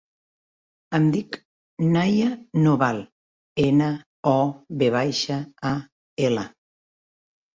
Em dic Naia Noval: ena, o, ve baixa, a, ela.